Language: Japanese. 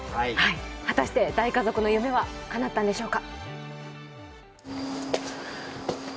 果たして大族の夢はかなったのでしょうか？